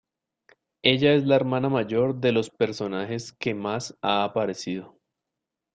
Ella es la hermana mayor de los personajes que más ha aparecido.